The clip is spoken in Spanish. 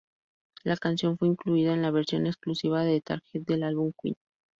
La canción fue incluida en la versión exclusiva de Target del álbum Queen.